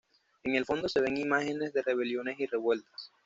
En el fondo se ven imágenes de rebeliones y revueltas.